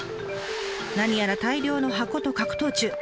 何やら大量の箱と格闘中。